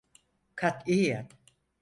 Katiyen…